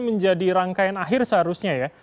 menjadi rangkaian akhir seharusnya ya